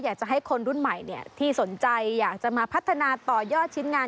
อยากจะให้คนรุ่นใหม่ที่สนใจอยากจะมาพัฒนาต่อยอดชิ้นงาน